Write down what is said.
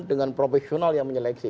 dengan profesional yang menyeleksi